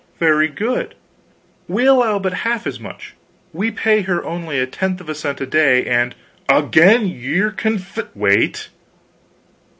"Very good; we allow but half as much; we pay her only a tenth of a cent a day; and " "Again ye're conf " "Wait!